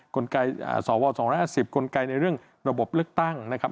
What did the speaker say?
กลไกสว๒๕๐กลไกในเรื่องระบบเลือกตั้งนะครับ